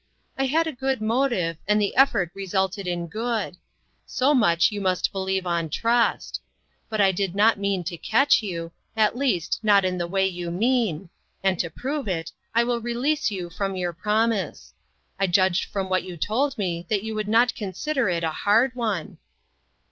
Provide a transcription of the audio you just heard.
I had a good motive, and the effort resulted in good. So much you must believe on trust. But I did not mean to catch you at least, not in the way you mean and to prove it, I will re SPREADING NEls. 267 lease you from your promise. I judged frota what you told me that you would not con sider it a bard one."